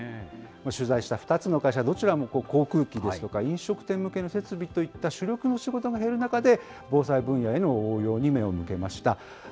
取材した２つの会社、どちらも航空機ですとか、飲食店向けの設備といった主力の仕事が減る中で、防災分野への応用に目を向けました。